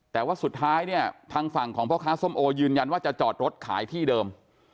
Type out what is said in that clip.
แต่ว่าสุดท้ายเนี่ยทางฝั่งของพ่อค้าส้มโอยืนยันว่าจะจอดรถขายที่เดิม